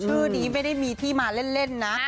ชื่อนี้ไม่ได้มีที่มาเล่นนะ